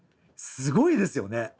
すごいですよね。